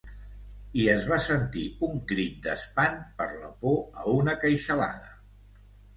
I es va sentir un crit d'espant per la por a una queixalada.